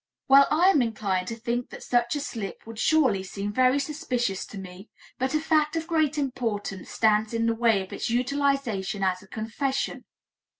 Well, I am inclined to think that such a slip would surely seem very suspicious to me, but a fact of great importance stands in the way of its utilization as a confession.